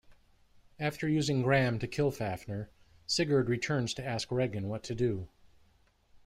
After using Gram to kill Fafnir, Sigurd returns to ask Reginn what to do.